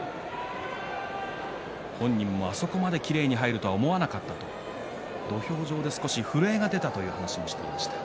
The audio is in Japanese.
本人もあそこまできれいに入るとは思わなかったと土俵上で少し震えが出たという話もしていました。